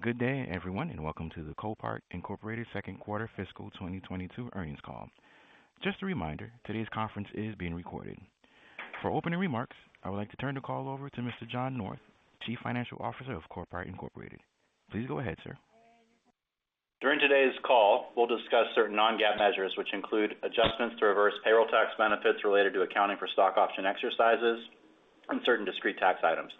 Good day, everyone, and welcome to the Copart Incorporated Second Quarter Fiscal 2022 Earnings Call. Just a reminder, today's conference is being recorded. For opening remarks, I would like to turn the call over to Mr. John North, Chief Financial Officer of Copart Incorporated. Please go ahead, sir. During today's call, we'll discuss certain non-GAAP measures, which include adjustments to reverse payroll tax benefits related to accounting for stock option exercises and certain discrete tax items.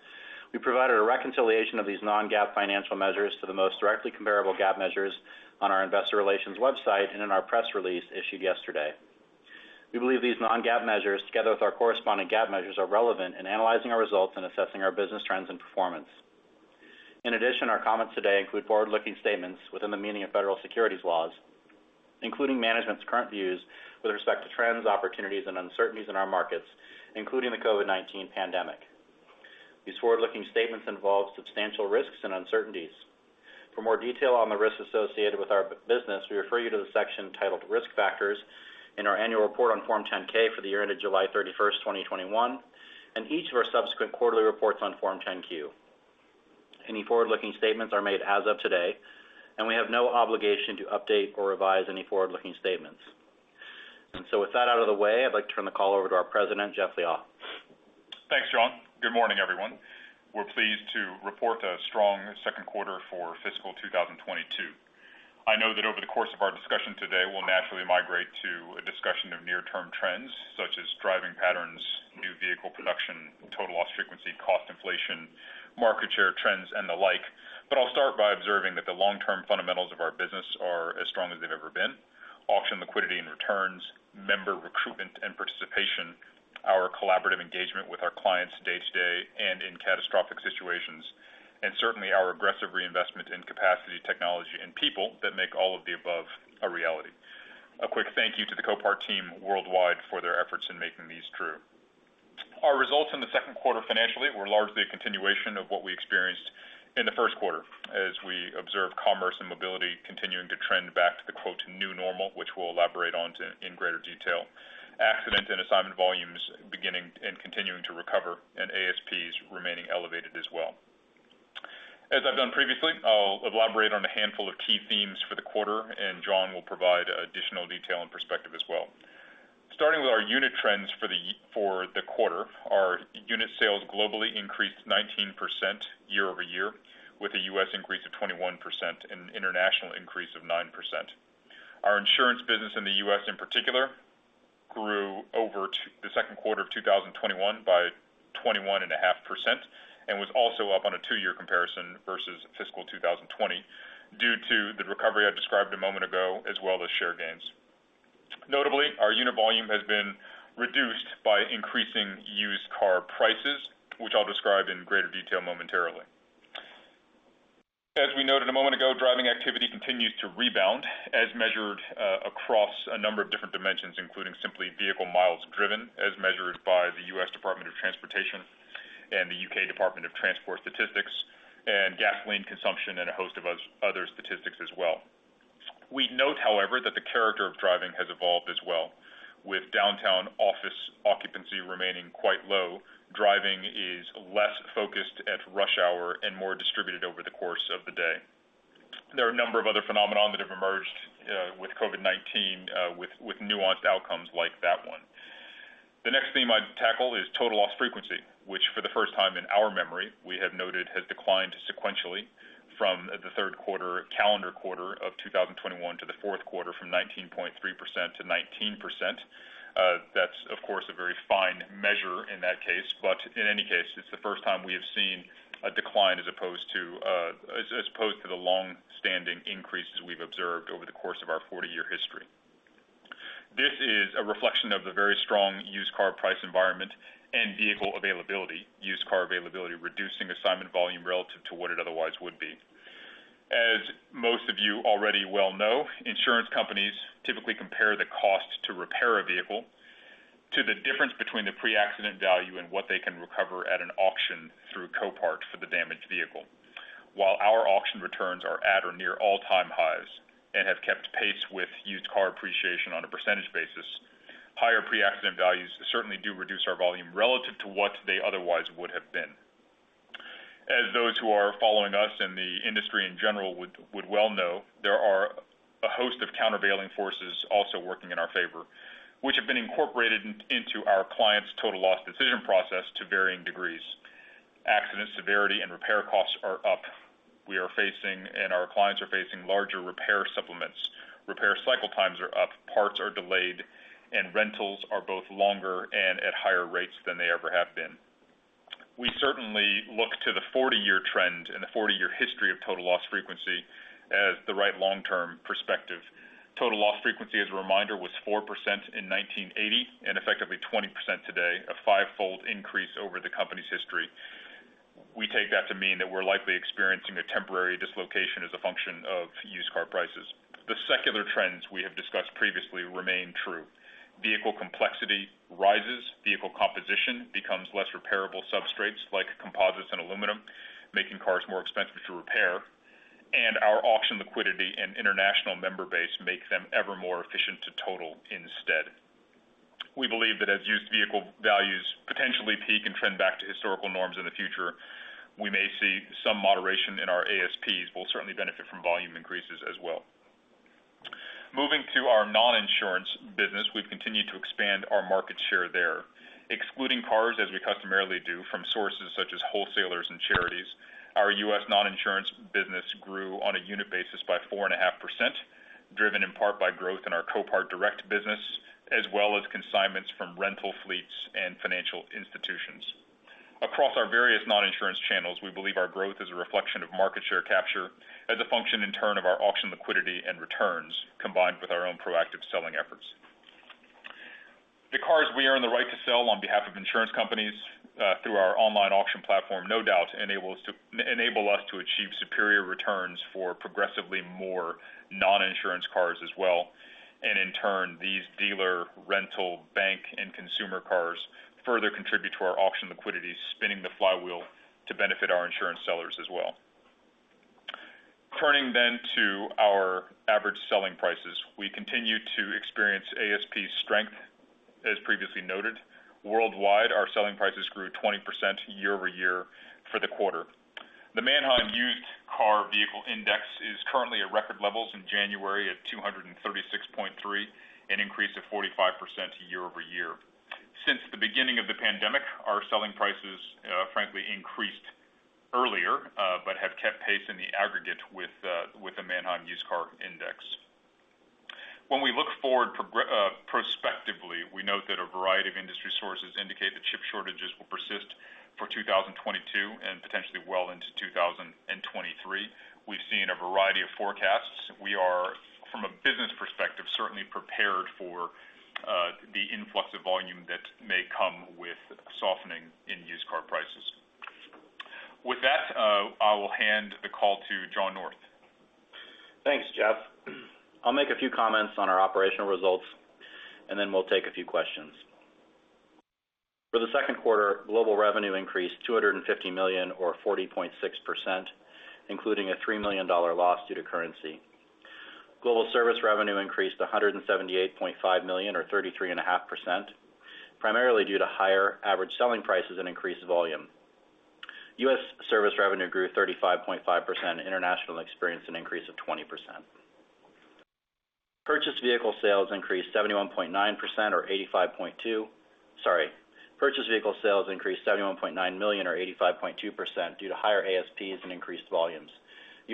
We provided a reconciliation of these non-GAAP financial measures to the most directly comparable GAAP measures on our Investor Relations website and in our press release issued yesterday. We believe these non-GAAP measures, together with our corresponding GAAP measures, are relevant in analyzing our results and assessing our business trends and performance. In addition, our comments today include forward-looking statements within the meaning of federal securities laws, including management's current views with respect to trends, opportunities, and uncertainties in our markets, including the COVID-19 pandemic. These forward-looking statements involve substantial risks and uncertainties. For more detail on the risks associated with our business, we refer you to the section titled Risk Factors in our annual report on Form 10-K for the year ended July 31, 2021, and each of our subsequent quarterly reports on Form 10-Q. Any forward-looking statements are made as of today, and we have no obligation to update or revise any forward-looking statements. With that out of the way, I'd like to turn the call over to our President, Jeff Liaw. Thanks, John. Good morning, everyone. We're pleased to report a strong second quarter for fiscal 2022. I know that over the course of our discussion today, we'll naturally migrate to a discussion of near-term trends, such as driving patterns, new vehicle production, total loss frequency, cost inflation, market share trends, and the like. I'll start by observing that the long-term fundamentals of our business are as strong as they've ever been. Auction liquidity and returns, member recruitment and participation, our collaborative engagement with our clients day-to-day and in catastrophic situations, and certainly our aggressive reinvestment in capacity, technology, and people that make all of the above a reality. A quick thank you to the Copart team worldwide for their efforts in making these true. Our results in the second quarter financially were largely a continuation of what we experienced in the first quarter as we observed commerce and mobility continuing to trend back to the quotenew normal, which we'll elaborate on to in greater detail. Accident and assignment volumes beginning and continuing to recover, and ASPs remaining elevated as well. As I've done previously, I'll elaborate on a handful of key themes for the quarter, and John will provide additional detail and perspective as well. Starting with our unit trends for the quarter, our unit sales globally increased 19% year-over-year, with a U.S. increase of 21% and an international increase of 9%. Our insurance business in the U.S. in particular grew over the second quarter of 2021 by 21.5% and was also up on a two-year comparison versus fiscal 2020 due to the recovery I described a moment ago, as well as share gains. Notably, our unit volume has been reduced by increasing used car prices, which I'll describe in greater detail momentarily. As we noted a moment ago, driving activity continues to rebound as measured across a number of different dimensions, including simply vehicle miles driven as measured by the U.S. Department of Transportation and the U.K. Department for Transport statistics and gasoline consumption and a host of other statistics as well. We note, however, that the character of driving has evolved as well. With downtown office occupancy remaining quite low, driving is less focused at rush hour and more distributed over the course of the day. There are a number of other phenomena that have emerged with COVID-19 with nuanced outcomes like that one. The next theme I'd tackle is total loss frequency, which, for the first time in our memory, we have noted has declined sequentially from the third quarter, calendar quarter of 2021, to the fourth quarter, from 19.3% to 19%. That's, of course, a very fine measure in that case. In any case, it's the first time we have seen a decline as opposed to the long-standing increases we've observed over the course of our 40-year history. This is a reflection of the very strong used car price environment and vehicle availability, used car availability, reducing assignment volume relative to what it otherwise would be. As most of you already well know, insurance companies typically compare the cost to repair a vehicle to the difference between the pre-accident value and what they can recover at an auction through Copart for the damaged vehicle. While our auction returns are at or near all-time highs and have kept pace with used car appreciation on a percentage basis, higher pre-accident values certainly do reduce our volume relative to what they otherwise would have been. As those who are following us and the industry in general would well know, there are a host of countervailing forces also working in our favor, which have been incorporated into our clients' total loss decision process to varying degrees. Accident severity and repair costs are up. We are facing, and our clients are facing, larger repair supplements. Repair cycle times are up, parts are delayed, and rentals are both longer and at higher rates than they ever have been. We certainly look to the 40-year trend and the 40-year history of total loss frequency as the right long-term perspective. Total loss frequency, as a reminder, was 4% in 1980 and effectively 20% today, a five-fold increase over the company's history. We take that to mean that we're likely experiencing a temporary dislocation as a function of used car prices. The secular trends we have discussed previously remain true. Vehicle complexity rises, vehicle composition becomes less repairable substrates like composites and aluminum, making cars more expensive to repair. Our auction liquidity and international member base make them ever more efficient to total instead. We believe that as used vehicle values potentially peak and trend back to historical norms in the future, we may see some moderation in our ASPs. We'll certainly benefit from volume increases as well. Moving to our non-insurance business, we've continued to expand our market share there. Excluding cars, as we customarily do, from sources such as wholesalers and charities, our U.S. non-insurance business grew on a unit basis by 4.5%, driven in part by growth in our Copart Direct business, as well as consignments from rental fleets and financial institutions. Across our various non-insurance channels, we believe our growth is a reflection of market share capture as a function in turn of our auction liquidity and returns, combined with our own proactive selling efforts. The cars we earn the right to sell on behalf of insurance companies through our online auction platform no doubt enable us to achieve superior returns for progressively more non-insurance cars as well. In turn, these dealer rental bank and consumer cars further contribute to our auction liquidity, spinning the flywheel to benefit our insurance sellers as well. Turning to our average selling prices, we continue to experience ASP strength, as previously noted. Worldwide, our selling prices grew 20% year-over-year for the quarter. The Manheim Used Vehicle Value Index is currently at record levels in January at 236.3, an increase of 45% year-over-year. Since the beginning of the pandemic, our selling prices frankly increased earlier but have kept pace in the aggregate with the Manheim Used Vehicle Value Index. When we look forward prospectively, we note that a variety of industry sources indicate that chip shortages will persist for 2022 and potentially well into 2023. We've seen a variety of forecasts. We are, from a business perspective, certainly prepared for the influx of volume that may come with softening in used car prices. With that, I will hand the call to John North. Thanks, Jeff. I'll make a few comments on our operational results, and then we'll take a few questions. For the second quarter, global revenue increased $250 million, or 40.6%, including a $3 million loss due to currency. Global service revenue increased to $178.5 million, or 33.5%, primarily due to higher average selling prices and increased volume. U.S. service revenue grew 35.5%. International experienced an increase of 20%. Purchased vehicle sales increased $71.9 million, or 85.2%, due to higher ASPs and increased volumes.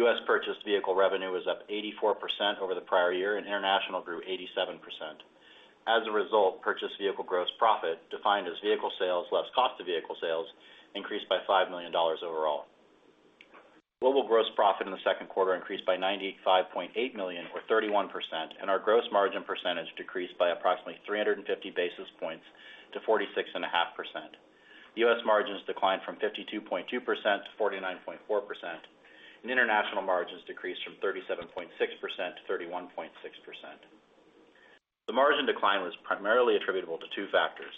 U.S. purchased vehicle revenue was up 84% over the prior year, and international grew 87%. As a result, purchased vehicle gross profit, defined as vehicle sales less cost of vehicle sales, increased by $5 million overall. Global gross profit in the second quarter increased by $95.8 million, or 31%, and our gross margin percentage decreased by approximately 350 basis points to 46.5%. U.S. margins declined from 52.2% to 49.4%, and international margins decreased from 37.6% to 31.6%. The margin decline was primarily attributable to two factors.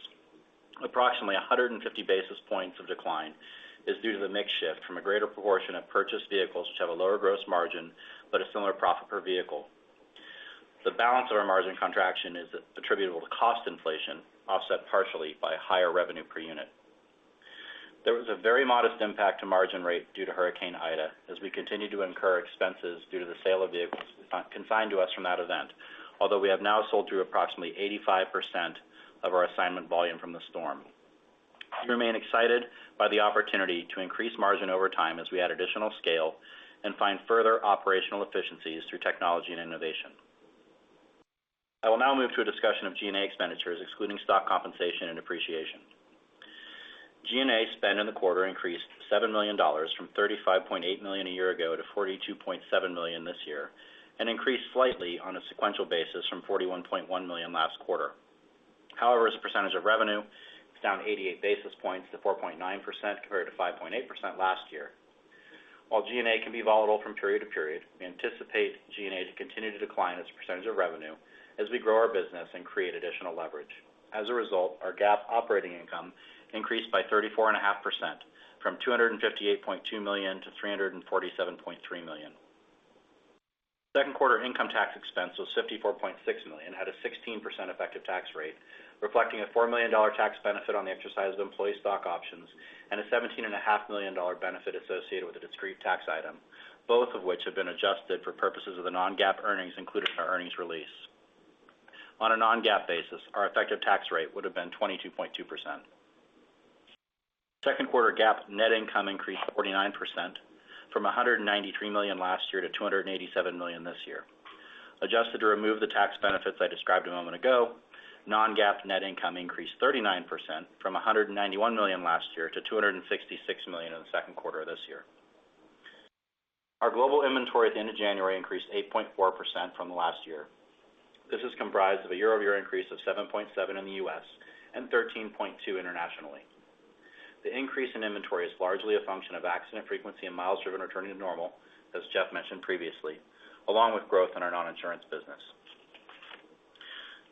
Approximately 150 basis points of decline is due to the mix shift from a greater proportion of purchased vehicles, which have a lower gross margin, but a similar profit per vehicle. The balance of our margin contraction is attributable to cost inflation, offset partially by higher revenue per unit. There was a very modest impact on the margin rate due to Hurricane Ida, as we continued to incur expenses due to the sale of vehicles consigned to us from that event. Although we have now sold through approximately 85% of our consignment volume from the storm, we remain excited by the opportunity to increase margin over time as we add additional scale and find further operational efficiencies through technology and innovation. I will now move to a discussion of G&A expenditures, excluding stock compensation and depreciation. G&A spend in the quarter increased $7 million from $35.8 million a year ago to $42.7 million this year, and increased slightly on a sequential basis from $41.1 million last quarter. However, as a percentage of revenue, it's down 88 basis points to 4.9% compared to 5.8% last year. While G&A can be volatile from period to period, we anticipate G&A to continue to decline as a percentage of revenue as we grow our business and create additional leverage. As a result, our GAAP operating income increased by 34.5%, from $258.2 million to $347.3 million. Second quarter income tax expense was $54.6 million, at a 16% effective tax rate, reflecting a $4 million tax benefit on the exercise of employee stock options and a $17.5 million benefit associated with a discrete tax item, both of which have been adjusted for purposes of the non-GAAP earnings included in our earnings release. On a non-GAAP basis, our effective tax rate would have been 22.2%. Second quarter GAAP net income increased 49%, from $193 million last year to $287 million this year. Adjusted to remove the tax benefits I described a moment ago, non-GAAP net income increased 39% from $191 million last year to $266 million in the second quarter of this year. Our global inventory at the end of January increased 8.4% from last year. This is comprised of a year-over-year increase of 7.7% in the U.S. and 13.2% internationally. The increase in inventory is largely a function of accident frequency and miles driven returning to normal, as Jeff mentioned previously, along with growth in our non-insurance business.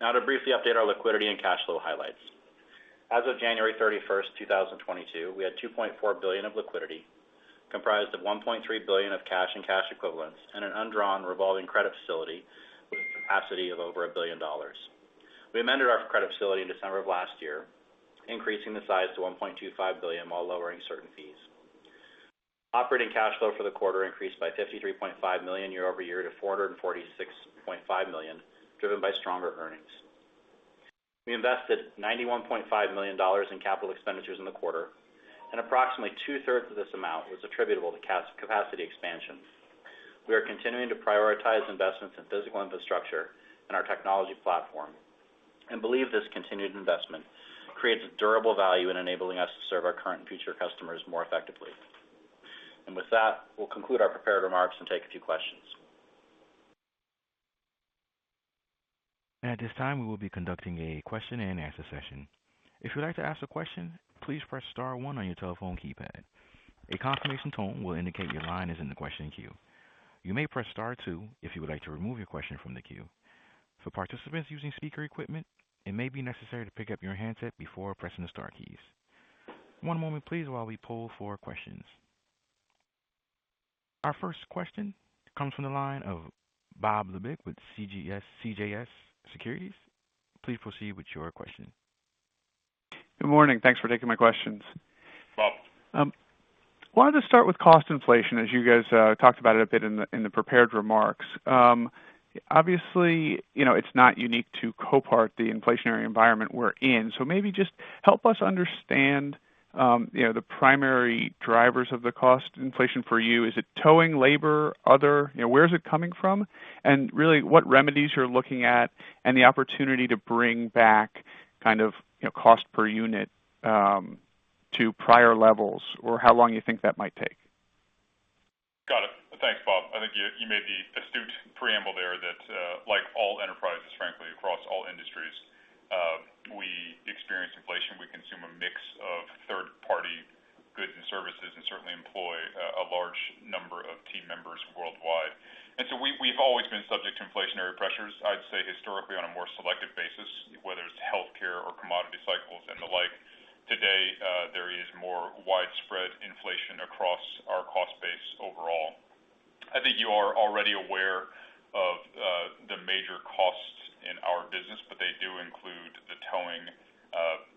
Now to briefly update our liquidity and cash flow highlights. As of January 31st, 2022, we had $2.4 billion of liquidity, comprised of $1.3 billion of cash and cash equivalents and an undrawn revolving credit facility with a capacity of over $1 billion. We amended our credit facility in December of last year, increasing the size to $1.25 billion while lowering certain fees. Operating cash flow for the quarter increased by $53.5 million year-over-year to $446.5 million, driven by stronger earnings. We invested $91.5 million in capital expenditures in the quarter, and approximately 2/3 of this amount was attributable to capacity expansion. We are continuing to prioritize investments in physical infrastructure and our technology platform and believe this continued investment creates a durable value in enabling us to serve our current and future customers more effectively. With that, we'll conclude our prepared remarks and take a few questions. At this time, we will be conducting a question-and-answer session. If you'd like to ask a question, please press star one on your telephone keypad. A confirmation tone will indicate your line is in the question queue. You may press star two if you would like to remove your question from the queue. For participants using speaker equipment, it may be necessary to pick up your handset before pressing the star keys. One moment, please, while we poll for questions. Our first question comes from the line of Bob Labick with CJS Securities. Please proceed with your question. Good morning. Thanks for taking my questions. Bob. I wanted to start with cost inflation, as you guys talked about it a bit in the prepared remarks. Obviously, you know, it's not unique to Copart, the inflationary environment we're in. Maybe just help us understand, you know, the primary drivers of the cost inflation for you. Is it towing, labor, or other? You know, where is it coming from? Really, what remedies you're looking at and the opportunity to bring back, kind of, you know, cost per unit, to prior levels, or how long do you think that might take? Got it. Thanks, Bob. I think you made the astute preamble there that, like all enterprises, frankly, across all industries, we experience inflation. We consume a mix of third-party goods and services and certainly employ a large number of team members worldwide. We've always been subject to inflationary pressures. I'd say historically on a more selective basis, whether it's healthcare or commodity cycles and the like. Today, there is more widespread inflation across our cost base overall. I think you are already aware of the major costs in our business, but they do include the towing,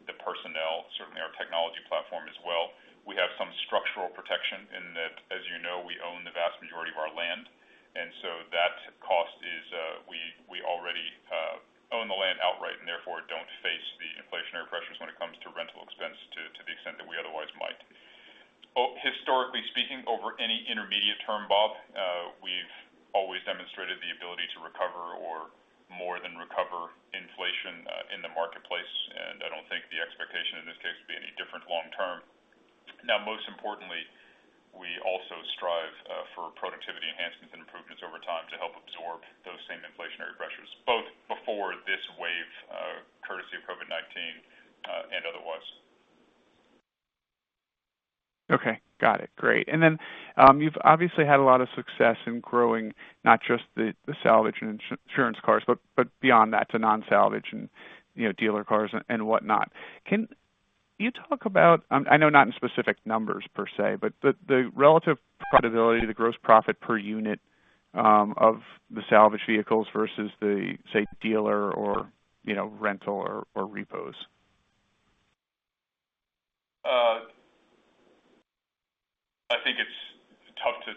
the personnel, certainly our technology platform as well. We have some structural protection in that, as you know, we own the vast majority of our land, and so that cost is, we already own the land outright and therefore don't face the inflationary pressures when it comes to rental expense to the extent that we otherwise might. Oh, historically speaking, over any intermediate term, Bob, we've always demonstrated the ability to recover or more than recover inflation in the marketplace, and I don't think the expectation in this case would be any different long term. Now, most importantly, we also strive for productivity enhancements and improvements over time to help absorb those same inflationary pressures, both before this wave, courtesy of COVID-19, and otherwise. Okay. Got it. Great. You've obviously had a lot of success in growing not just the salvage and insurance cars, but beyond that to non-salvage and, you know, dealer cars and whatnot. Can you talk about, I know not in specific numbers per se, but the relative profitability, the gross profit per unit, of the salvage vehicles versus the, say, the dealer or, you know, rental or repos? I think it's tough to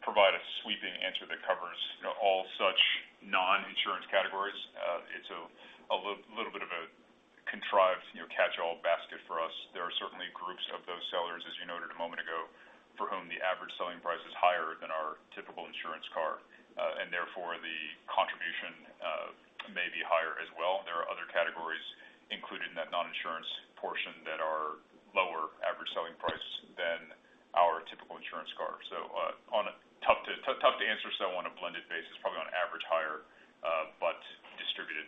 provide a sweeping answer that covers, you know, all such non-insurance categories. It's a little bit of a contrived, you know, catch-all basket for us. There are certainly groups of those sellers, as you noted a moment ago, for whom the average selling price is higher than our typical insurance car, and therefore, the contribution may be higher as well. There are other categories included in that non-insurance portion that are lower average selling price than our typical insurance car. Tough to answer. On a blended basis, probably on average higher, but distributed.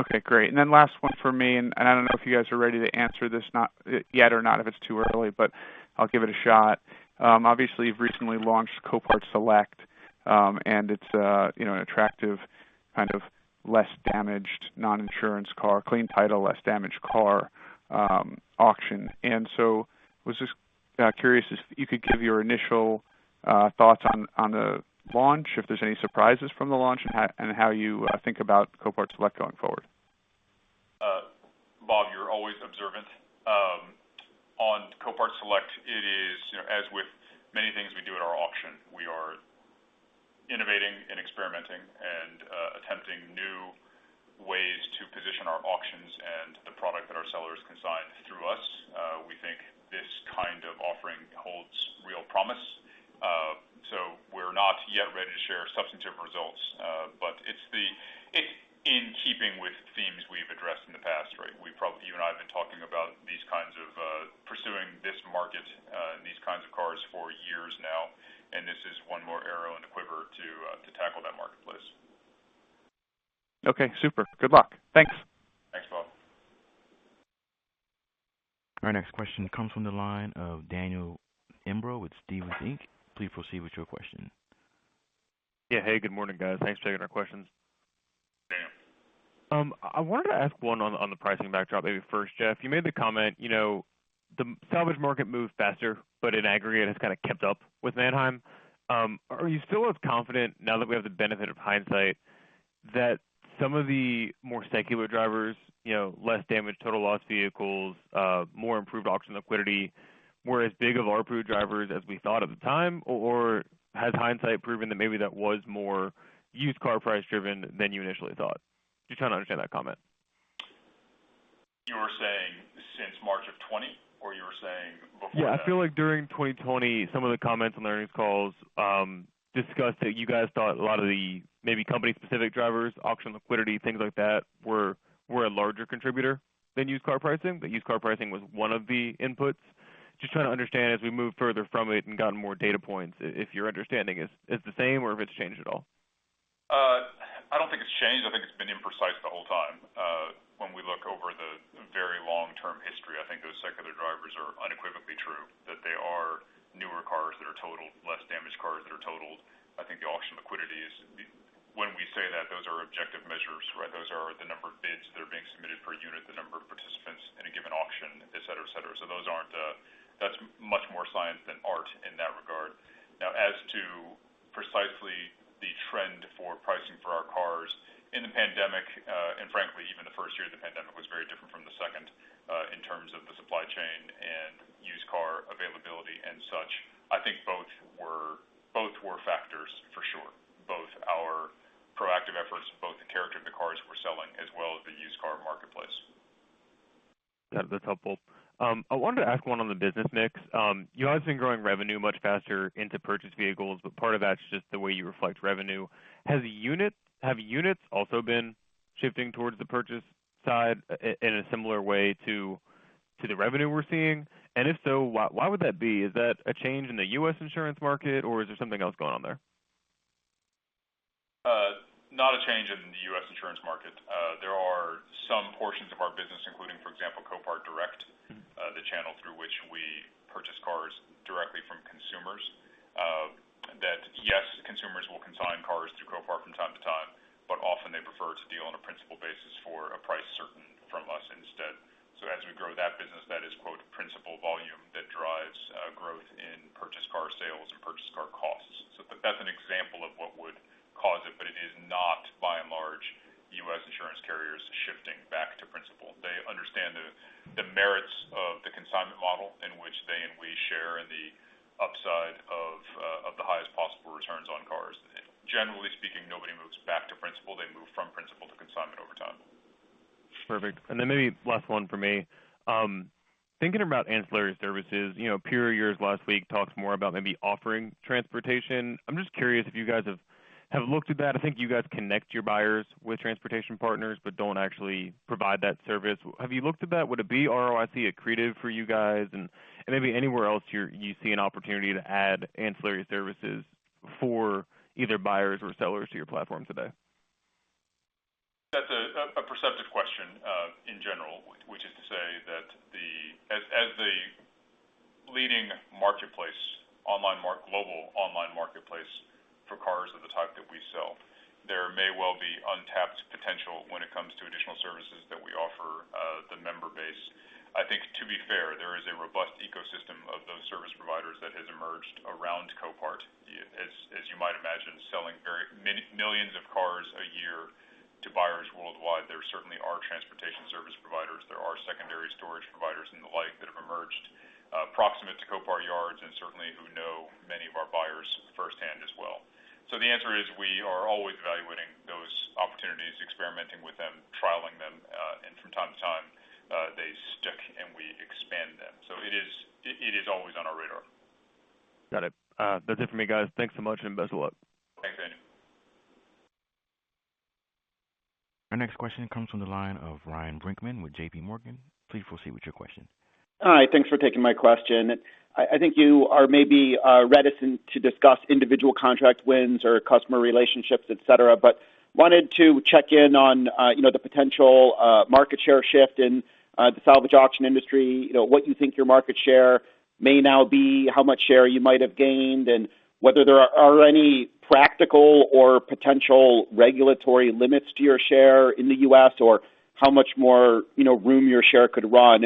Okay, great. Last one for me, and I don't know if you guys are ready to answer this, not yet or not if it's too early, but I'll give it a shot. Obviously, you've recently launched Copart Select, and it's you know, an attractive kind of less damaged, non-insurance car, clean title, less damaged car auction. Was just curious if you could give your initial thoughts on the launch, if there's any surprises from the launch, and how you think about Copart Select going forward. Bob, you're always observant. On Copart Select, it is, you know, as with many things we do at our auction, we are innovating and experimenting and attempting new ways to position our auctions and the product that our sellers consign through us. We think this kind of offering holds real promise. We're not yet ready to share substantive results, but it's in keeping with themes we've addressed in the past, right? You and I have been talking about these kinds of pursuing this market and these kinds of cars for years now, and this is one more arrow in the quiver to tackle that marketplace. Okay. Super. Good luck. Thanks. Thanks, Bob. Our next question comes from the line of Daniel Imbro with Stephens Inc. Please proceed with your question. Yeah. Hey, good morning, guys. Thanks for taking our questions. I wanted to ask one on the pricing backdrop, maybe first, Jeff. You made the comment, you know, the salvage market moves faster, but in aggregate has kind of kept up with Manheim. Are you still as confident now that we have the benefit of hindsight that some of the more secular drivers, you know, less damage, total loss vehicles, more improved auction liquidity, were as big of RPU drivers as we thought at the time? Or has hindsight proven that maybe that was more used-car-price-driven than you initially thought? Just trying to understand that comment. You were saying since March of 2020, or you were saying before that? Yeah, I feel like during 2020, some of the comments on the earnings calls discussed that you guys thought a lot of the maybe company-specific drivers, auction liquidity, things like that, were a larger contributor than used car pricing, but used car pricing was one of the inputs. Just trying to understand as we move further from it and gotten more data points if your understanding is the same or if it's changed at all. I don't think it's changed. I think it's been imprecise the whole time. When we look over the very long-term history, I think those secular drivers are unequivocally true, that they are newer cars that are totaled, and less damaged cars that are totaled. I think the auction liquidity is when we say that those are objective measures, right? Those are the number of bids that are being submitted per unit, the number of participants in a given auction, et cetera, et cetera. Those aren't; that's much more science than art in that regard. Now, as to precisely the trend for pricing for our cars in the pandemic, and frankly, even the first year of the pandemic was very different from the second in terms of the supply chain and used car availability and such. I think both were factors for sure. Both our proactive efforts, both the character of the cars we're selling as well as the used car marketplace. That's helpful. I wanted to ask one on the business mix. You obviously been growing revenue much faster into purchase vehicles, but part of that's just the way you reflect revenue. Have units also been shifting towards the purchase side in a similar way to the revenue we're seeing? If so, why would that be? Is that a change in the U.S. insurance market, or is there something else going on there? Not a change in the U.S. insurance market. There are some portions of our business, including, for example, Copart Direct, the channel through which we purchase cars directly from consumers, that, yes, consumers will consign cars through Copart from time to time, but often they prefer to deal on a principal basis for a price certain from us instead. As we grow that business, that is, quote, principal volume that drives growth in purchase car sales and purchase car costs. That's an example of what That's a perceptive question in general, which is to say that as the leading marketplace, online global online marketplace for cars of the type that we sell, there may well be untapped potential when it comes to additional services that we offer the member base. I think, to be fair, there is a robust ecosystem of those service providers that has emerged around Copart. As you might imagine, selling millions of cars a year to buyers worldwide. There certainly are transportation service providers. There are secondary storage providers and the like that have emerged proximate to Copart yards and certainly who know many of our buyers firsthand as well. The answer is we are always evaluating those opportunities, experimenting with them, trialing them, and, from time to time, they stick, and we expand them. It is always on our radar. Got it. That's it for me, guys. Thanks so much, and best of luck. Thanks, Daniel. Our next question comes from the line of Ryan Brinkman with J.P. Morgan. Please proceed with your question. Hi. Thanks for taking my question. I think you are maybe reticent to discuss individual contract wins or customer relationships, et cetera. Wanted to check in on the potential market share shift in the salvage auction industry. What do you think your market share may now be, how much share you might have gained, and whether there are any practical or potential regulatory limits to your share in the U.S. or how much more room your share could run?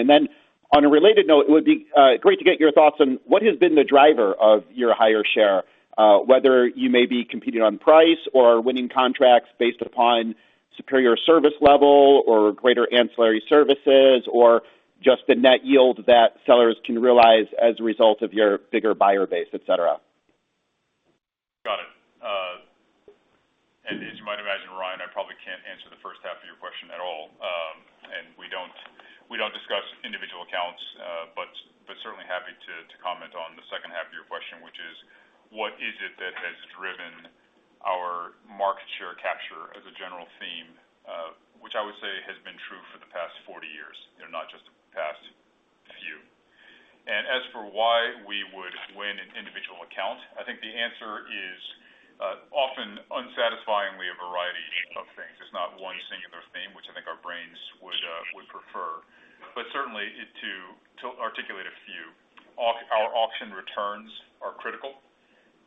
On a related note, it would be great to get your thoughts on what has been the driver of your higher share, whether you may be competing on price or winning contracts based upon superior service level or greater ancillary services or just the net yield that sellers can realize as a result of your bigger buyer base, et cetera. Got it. As you might imagine, Ryan, I probably can't answer the first half of your question at all. We don't discuss individual accounts. Certainly happy to comment on the second half of your question, which is what is it that has driven our market share capture as a general theme, which I would say has been true for the past 40 years, you know, not just the past few. As for why we would win an individual account, I think the answer is often unsatisfyingly a variety of things. It's not one singular theme,, which I think our brains would prefer. Certainly, to articulate a few. Our auction returns are critical,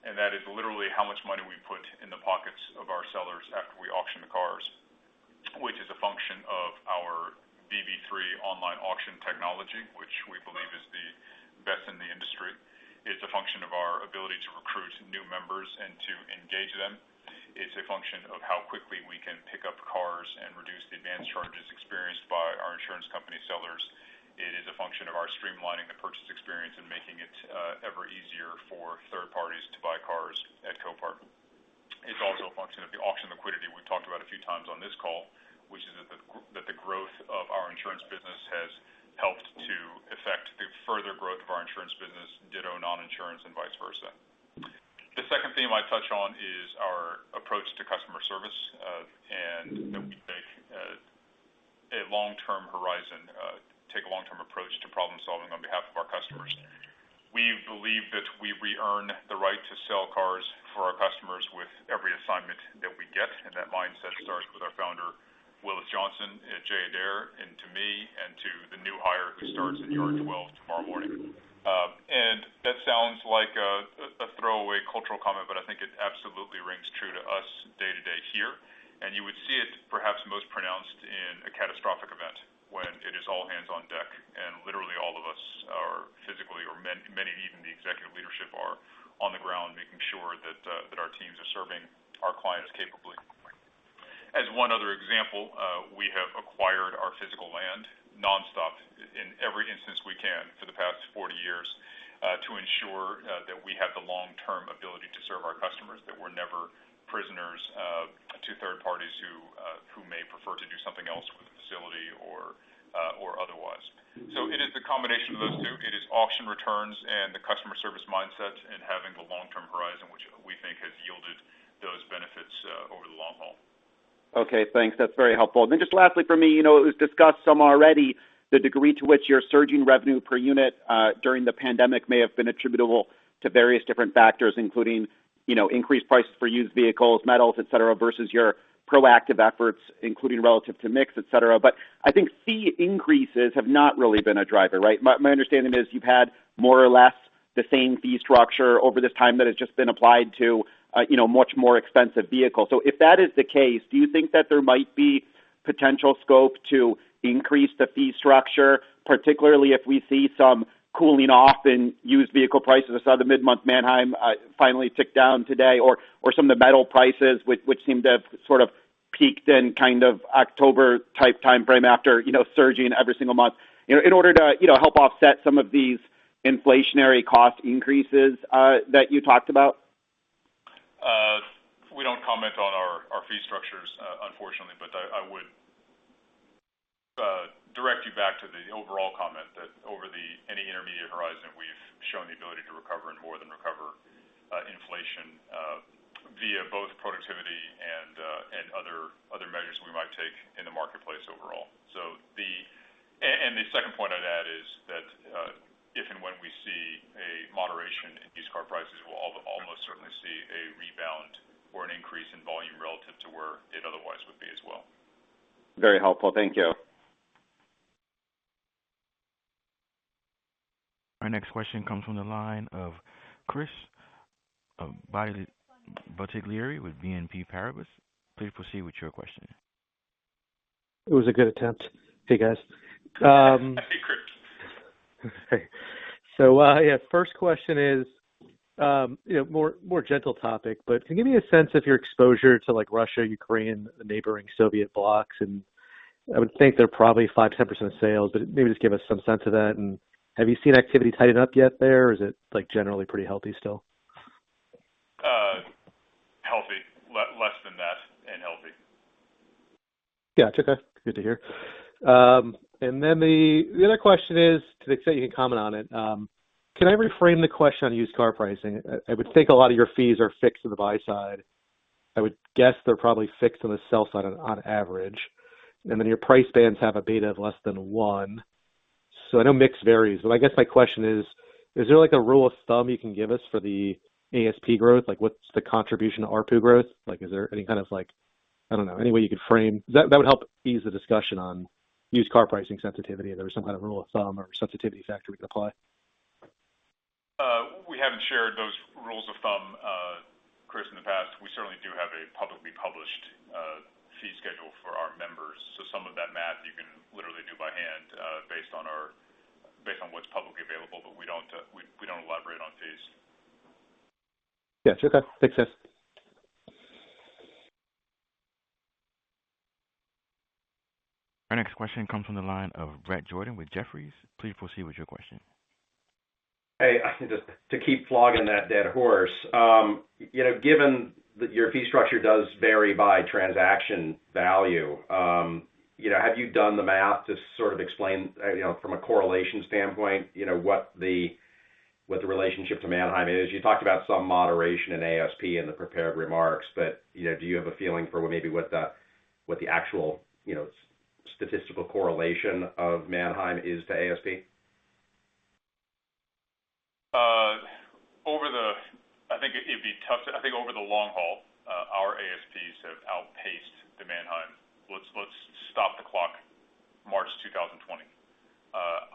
and that is literally how much money we put in the pockets of our sellers after we auction the cars, which is a function of our VB3 online auction technology, which we believe is the best in the industry. It's a function of our ability to recruit new members and to engage them. It's a function of how quickly we can pick up cars and reduce the advanced charges experienced by our insurance company sellers. It is a function of our streamlining the purchase experience and making it ever easier for third parties to buy cars at Copart. It's also a function of the auction liquidity we've talked about a few times on this call, which is that the growth of our insurance business has helped to affect the further growth of our insurance business, ditto non-insurance, and vice versa. The second theme I touch on is our approach to customer service, and that we take a long-term horizon, take a long-term approach to problem-solving on behalf of our customers. We believe that we re-earn the right to sell cars for our customers with every assignment that we get, and that mindset starts with our founder, Willis Johnson, and Jay Adair, and to me and to the new hire who starts at New York tomorrow morning. That sounds like a throwaway cultural comment, but I think it absolutely rings true to us day to day here. You would see it perhaps most pronounced in a catastrophic event when it is all hands on deck and literally all of us are physically or mentally, even the executive leadership, are on the ground making sure that our teams are serving our clients capably. As one other example, we have acquired our physical land nonstop in every instance we can for the past 40 years to ensure that we have the long-term ability to serve our customers and that we're never prisoners of two third parties who may prefer to do something else with the facility or otherwise. It is a combination of those two. It is auction returns and the customer service mindset and having the long-term horizon, which we think has yielded those benefits over the long haul. Okay, thanks. That's very helpful. Just lastly for me, you know, it was discussed some already the degree to which your surging revenue per unit during the pandemic may have been attributable to various different factors, including, you know, increased prices for used vehicles, metals, et cetera, versus your proactive efforts, including relative to mix, et cetera. I think fee increases have not really been a driver, right? My understanding is you've had more or less the same fee structure over this time that has just been applied to, you know, much more expensive vehicles. If that is the case, do you think that there might be potential scope to increase the fee structure, particularly if we see some cooling off in used vehicle prices? I saw the mid-month Manheim finally tick down today, or some of the metal prices, which seem to have sort of peaked in kind of October type timeframe after, you know, surging every single month, you know, in order to, you know, help offset some of these inflationary cost increases that you talked about. We don't comment on our fee structures, unfortunately, but I would direct you back to the overall comment that over any intermediate horizon, we've shown the ability to recover and more than recover inflation via both productivity and other measures we might take in the marketplace overall. The second point I'd add is that, if and when we see a moderation in used car prices, we'll almost certainly see a rebound or an increase in volume relative to where it otherwise would be as well. Very helpful. Thank you. Our next question comes from the line of Chris Bottiglieri with BNP Paribas. Please proceed with your question. It was a good attempt. Hey, guys. Happy crypt. Yeah, first question is, you know, more gentle topic, but can you give me a sense of your exposure to, like, Russia, Ukraine, and the neighboring Soviet blocs? I would think they're probably 5%-10% of sales, but maybe just give us some sense of that. Have you seen activity tighten up yet there, or is it like generally pretty healthy still? Less than that and healthy. Yeah. Okay. Good to hear. To the extent you can comment on it, can I reframe the question on used car pricing? I would think a lot of your fees are fixed on the buy side. I would guess they're probably fixed on the sell side on average, and then your price bands have a beta of less than one. I know the mix varies, but I guess my question is, is there like a rule of thumb you can give us for the ASP growth? Like, what's the contribution to ARPU growth? Like, is there any kind of, like, I don't know, any way you could frame that? That would help ease the discussion on used car pricing sensitivity if there was some kind of rule of thumb or sensitivity factor we could apply. We haven't shared those rules of thumb, Chris, in the past. We certainly do have a publicly published fee schedule for our members. Some of that math you can literally do by hand, based on what's publicly available. But we don't elaborate on fees. Yeah. Okay. Thanks, guys. Our next question comes from the line of Bret Jordan with Jefferies. Please proceed with your question. Hey, just to keep flogging that dead horse, you know, given that your fee structure does vary by transaction value, you know, have you done the math to sort of explain, you know, from a correlation standpoint, you know, what the relationship to Manheim is? You talked about some moderation in ASP in the prepared remarks, but, you know, do you have a feeling for what maybe what the actual, you know, statistical correlation of Manheim is to ASP? I think over the long haul, our ASPs have outpaced the Manheim. Let's stop the clock at March 2020.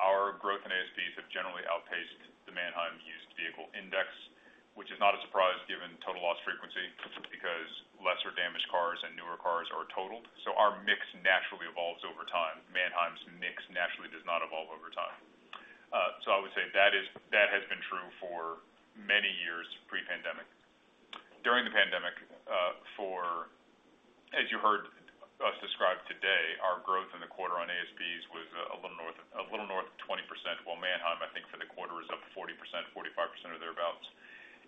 Our growth in ASPs have generally outpaced the Manheim Used Vehicle Index, which is not a surprise given total loss frequency because lesser damaged cars and newer cars are totaled. Our mix naturally evolves over time. Manheim's mix naturally does not evolve over time. I would say that has been true for many years pre-pandemic. During the pandemic, as you heard us describe today, our growth in the quarter on ASPs was a little north of 20%, while Manheim, I think, for the quarter is up 40%-45% or thereabouts.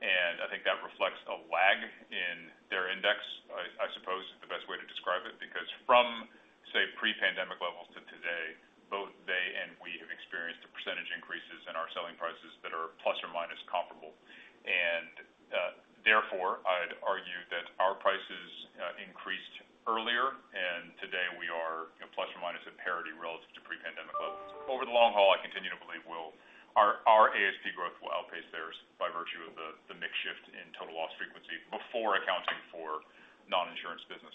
I think that reflects a lag in their index. I suppose that is the best way to describe it, because from, say, pre-pandemic levels to today, both they and we have experienced the percentage increases in our selling prices that are ± comparable. Therefore, I'd argue that our prices increased earlier, and today we are, you know, ± at parity relative to pre-pandemic levels. Over the long haul, I continue to believe we'll our ASP growth will outpace theirs by virtue of the mix shift in total loss frequency before accounting for non-insurance business.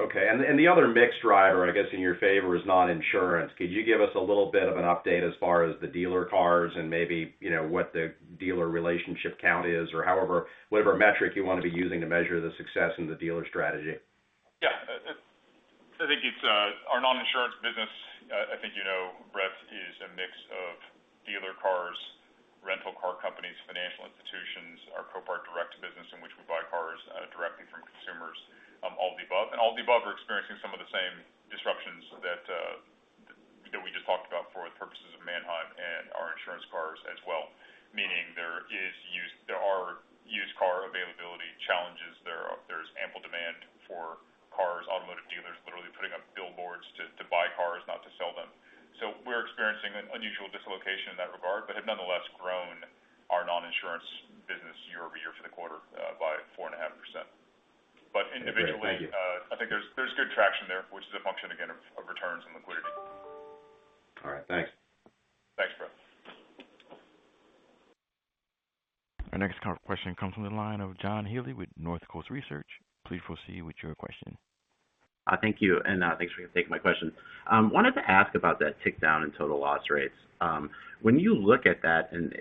Okay. The other mix driver, I guess, in your favor is non-insurance. Could you give us a little bit of an update as far as the dealer cars and maybe, you know, what the dealer relationship count is or however, whatever metric you want to be using to measure the success in the dealer strategy? Yeah. I think it's our non-insurance business. I think you know, Bret, is a mix of dealer cars, rental car companies, financial institutions, our Copart Direct business in which we buy cars directly from consumers, all the above. All the above are experiencing some of the same disruptions that we just talked about for the purposes of Manheim and our insurance cars as well. Meaning there are used car availability challenges. There's ample demand for cars. Automotive dealers literally putting up billboards to buy cars, not to sell them. We're experiencing an unusual dislocation in that regard but have nonetheless grown our non-insurance business year-over-year for the quarter by 4.5%. Individually Great. Thank you. I think there's good traction there, which is a function again of returns and liquidity. All right. Thanks. Thanks, Brett. Our next question comes from the line of John Healy with Northcoast Research. Please proceed with your question. Thank you, and thanks for taking my question. Wanted to ask about that tick down in total loss rates. When you look at that and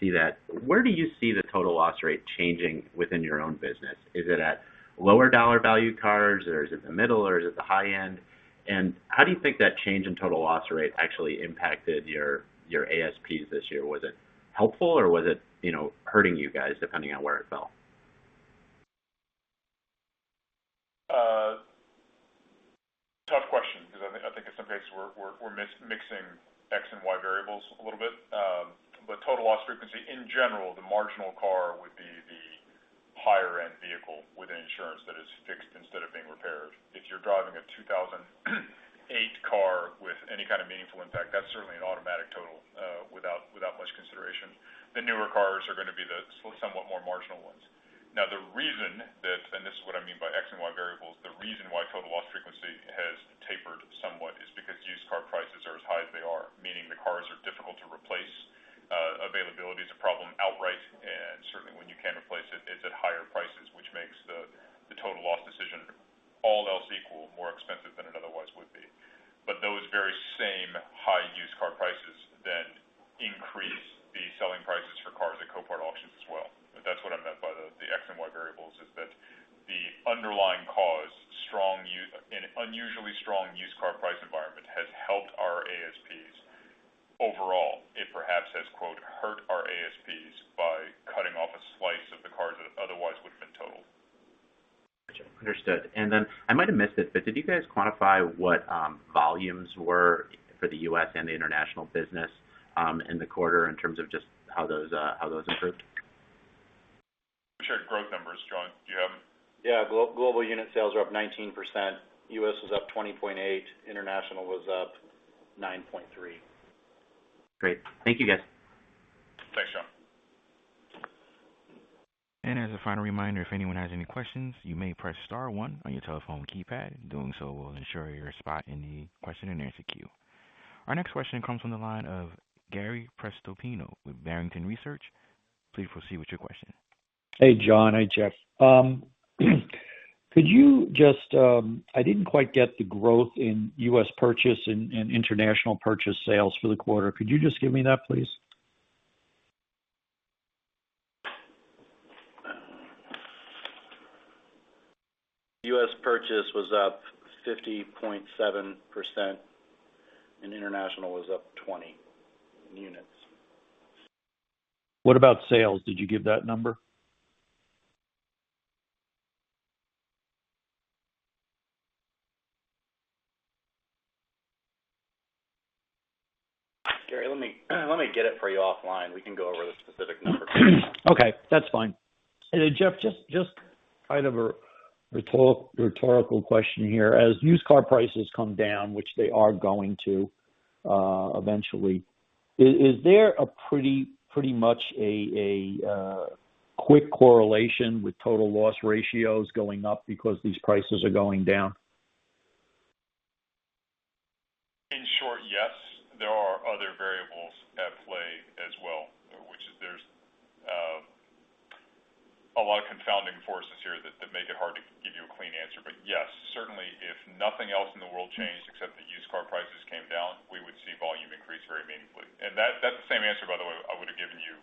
see that, where do you see the total loss rate changing within your own business? Is it at lower-dollar-value cars, or is it the middle, or is it the high end? How do you think that change in total loss rate actually impacted your ASPs this year? Was it helpful, or was it, you know, hurting you guys depending on where it fell? Tough question because I think in some cases we're mixing X and Y variables a little bit. Total loss frequency in general: the marginal car would be the higher end vehicle with insurance that is fixed instead of being repaired. If you're driving a 2008 car with any kind of meaningful impact, that's certainly an automatic total without much consideration. The newer cars are going to be the somewhat more marginal ones. Now, the reason that—and this is what I mean by X and Y variables—the reason why total loss frequency has tapered somewhat is because used car prices are as high as they are, meaning the cars are difficult to replace. Availability is a problem outright, and certainly when you can replace it, it's at higher prices, which makes the total loss decision, all else equal, More expensive than it otherwise would be. Those very same high used car prices then increase the selling prices for cars at Copart Auctions as well. That's what I meant by the X and Y variables: the underlying cause, an unusually strong used car price environment, has helped our ASPs overall. It perhaps has, quote, hurt our ASPs by cutting off a slice of the cars that otherwise would have been totaled. Gotcha. Understood. I might have missed it, but did you guys quantify what volumes were for the U.S. and the international business, in the quarter in terms of just how those improved? Sure. Growth numbers, John. Do you have them? Yeah. Global unit sales are up 19%. U.S. was up 20.8%. International was up 9.3%. Great. Thank you, guys. Thanks, John. As a final reminder, if anyone has any questions, you may press star one on your telephone keypad. Doing so will ensure your spot in the question and answer queue. Our next question comes from the line of Gary Prestopino with Barrington Research. Please proceed with your question. Hey, John. Hey, Jeff. Could you just—I didn't quite get the growth in U.S. purchases and international purchase sales for the quarter. Could you just give me that, please? U.S. purchase was up 50.7%, and international was up 20% in units. What about sales? Did you give that number? Gary, let me get it for you offline. We can go Okay, that's fine. Jeff, just kind of a rhetorical question here. As used car prices come down, which they are going to eventually, is there a pretty much a quick correlation with total loss ratios going up because these prices are going down? In short, yes. There are other variables at play as well, which is there's a lot of confounding forces here that make it hard to give you a clean answer. Yes, certainly if nothing else in the world changed except the used car prices came down, we would see volume increase very meaningfully. That's the same answer, by the way, I would have given you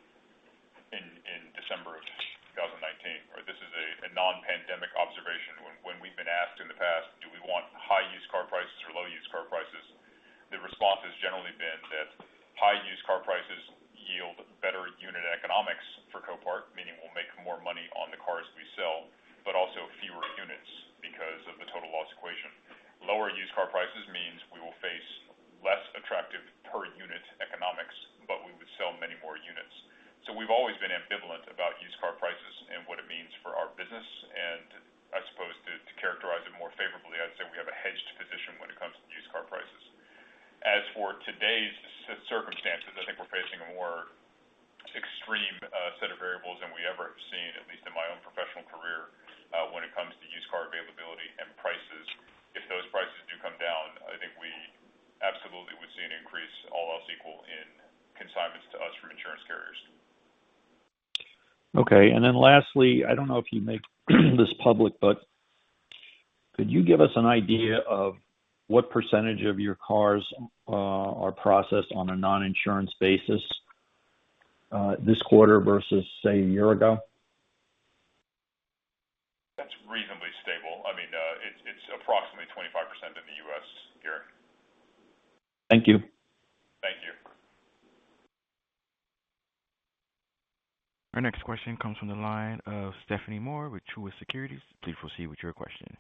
Thank you. Our next question comes from the line of Stephanie Moore with Truist Securities. Please proceed with your question.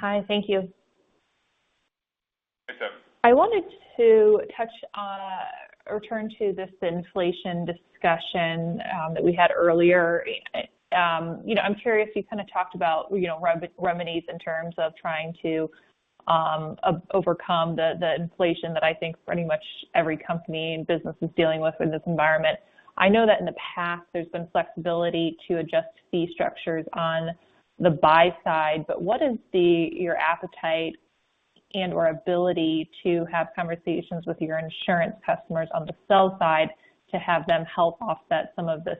Hi, thank you. Hi, Steph. I wanted to touch on or return to this inflation discussion that we had earlier. You know, I'm curious; you kind of talked about, you know, remedies in terms of trying to overcome the inflation that I think pretty much every company and business is dealing with in this environment. I know that in the past there's been flexibility to adjust fee structures on the buy side, but what is your appetite and/or ability to have conversations with your insurance customers on the sell side to have them help offset some of this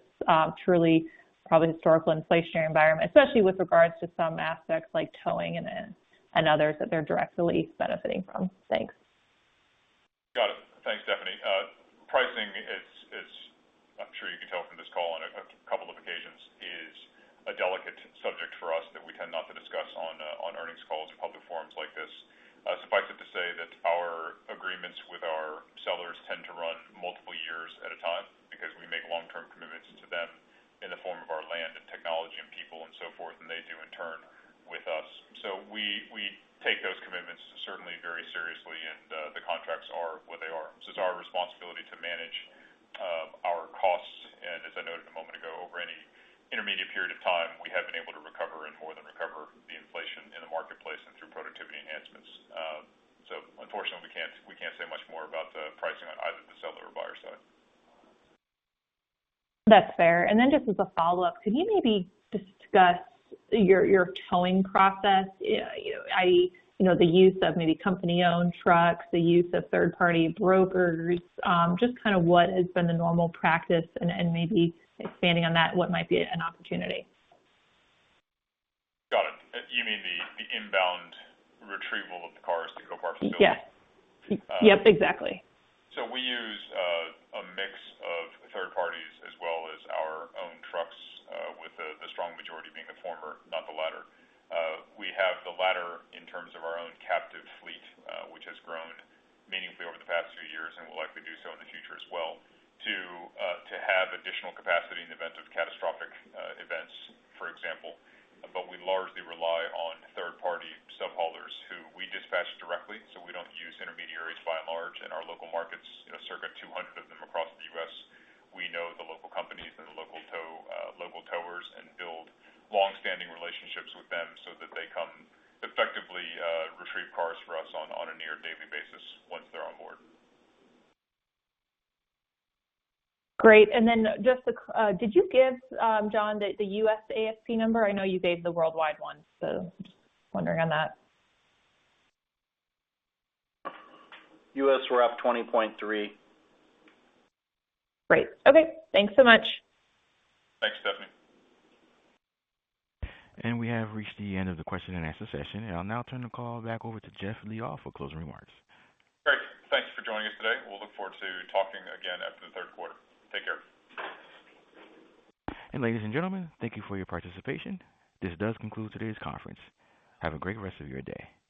truly probably historical inflationary environment, especially with regards to some aspects like towing and and others that they're directly benefiting from? Thanks. Got it. Thanks, Stephanie. Pricing is, I'm sure you can tell from this call on a couple of occasions, a delicate subject for us that we tend not to discuss on earnings calls or public forums like this. Suffice it to say that our agreements with our sellers tend to run multiple years at a time because we make long-term commitments to them in the form of our land and technology and people and so forth, and they do in turn with us. We take those commitments certainly very seriously, and the contracts are what they are. This is our responsibility to manage our costs. As I noted a moment ago, over any intermediate period of time, we have been able to recover and more than recover the inflation in the marketplace and through productivity enhancements. Unfortunately, we can't say much more about the pricing on either the seller or buyer side. That's fair. Just as a follow-up, could you maybe discuss your towing process? I, you know, the use of maybe company-owned trucks, the use of third-party brokers, just kind of what has been the normal practice, and maybe expanding on that, what might be an opportunity? Got it. You mean the inbound retrieval of the cars to Copart facility? Yes. Yep, exactly. We use a mix of third parties as well as our own trucks, with the strong majority being the former, not the latter. We have the latter in terms of our own captive fleet, which has grown meaningfully over the past few years and will likely do so in the future as well to have additional capacity in the event of catastrophic events, for example. We largely rely on third-party subhaulers who we dispatch directly, so we don't use intermediaries by and large in our local markets, you know, circa 200 of them across the U.S. We know the local companies and the local towers and build long-standing relationships with them so that they come effectively retrieve cars for us on a near-daily basis once they're on board. Great. Then did you give John the U.S. ASP number? I know you gave the worldwide one, so just wondering on that. U.S., we're up 20.3%. Great. Okay. Thanks so much. Thanks, Stephanie. We have reached the end of the question and answer session. I'll now turn the call back over to Jeff Liaw for closing remarks. Great. Thanks for joining us today. We'll look forward to talking again after the third quarter. Take care. Ladies and gentlemen, thank you for your participation. This does conclude today's conference. Have a great rest of your day.